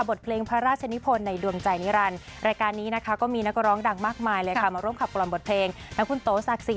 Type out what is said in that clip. เวลา๒๐อนาติกา๓๐นาที